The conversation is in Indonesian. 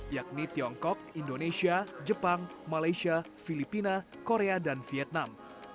yakni tiongkok indonesia jepang malaysia filipina korea dan vietnam